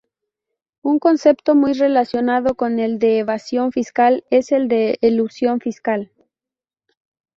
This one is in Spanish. Un concepto muy relacionado con el de evasión fiscal es el de elusión fiscal.